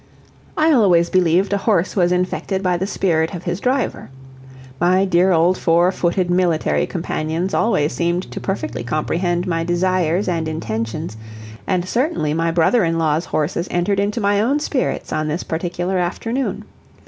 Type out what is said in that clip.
I always believed a horse was infected by the spirit of his driver. My dear old four footed military companions always seemed to perfectly comprehend my desires and intentions, and certainly my brother in law's horses entered into my own spirits on this particular afternoon.